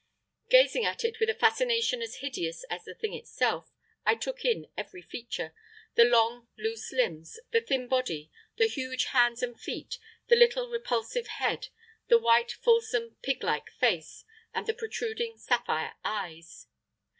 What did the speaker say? Gazing at it with a fascination as hideous as the thing itself, I took in every feature the long, loose limbs, the thin body, the huge hands and feet, the little repulsive head, the white fulsome, pig like face, and the protruding, sapphire eyes.